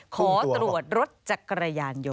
ขอตรวจรถจักรยานยนต